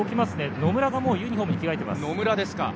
野村がユニフォームに着替えています。